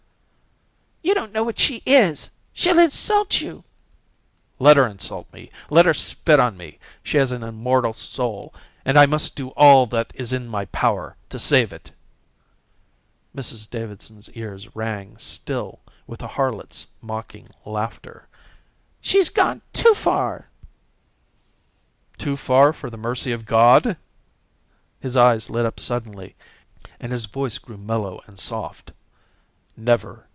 "You don't know what she is. She'll insult you." "Let her insult me. Let her spit on me. She has an immortal soul, and I must do all that is in my power to save it." Mrs Davidson's ears rang still with the harlot's mocking laughter. "She's gone too far." "Too far for the mercy of God?" His eyes lit up suddenly and his voice grew mellow and soft. "Never.